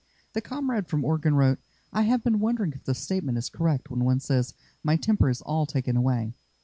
The comrade from Oregon wrote: "I have been wondering if the statement is correct when one says, 'My temper is all taken away.'